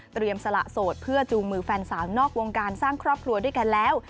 สละโสดเพื่อจูงมือแฟนสาวนอกวงการสร้างครอบครัวด้วยกันแล้ว